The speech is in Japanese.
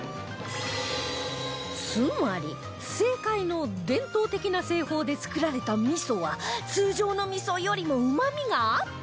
つまり正解の伝統的な製法で作られた味噌は通常の味噌よりもうまみがアップ！